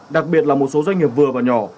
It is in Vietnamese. đặc biệt là một số doanh nghiệp vừa và nhỏ